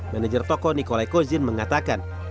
manager toko nikolai kozin mengatakan